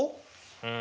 うん。